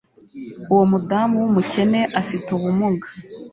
uwo mudamu wumukene afite ubumuga